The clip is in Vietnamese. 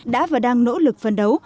đã và đang nỗ lực phân đấu